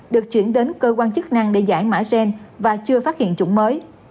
được chuyển đến cơ quan chức năng để giải mã gen và chưa phát hiện chủng mới